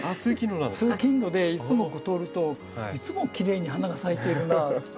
通勤路でいつもここ通るといつもきれいに花が咲いているなあと。